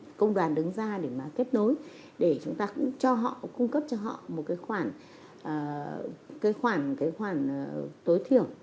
các công đoàn đứng ra để mà kết nối để chúng ta cũng cho họ cung cấp cho họ một cái khoản tối thiểu